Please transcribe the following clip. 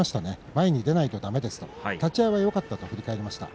前に出ないとだめですと立ち合いはよかったと答えました。